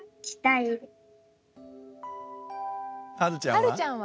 はるちゃんは？